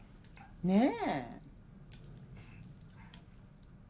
ねえ。